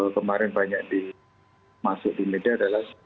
kemarin banyak dimasuk di media adalah